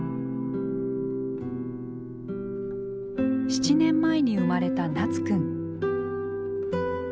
７年前に生まれたなつくん。